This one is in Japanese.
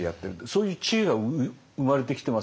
そういう知恵が生まれてきてますよね。